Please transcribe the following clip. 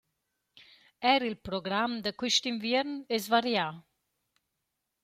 Eir il program da quist inviern es varià.